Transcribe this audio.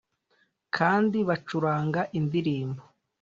kandi bacuranga indirimbo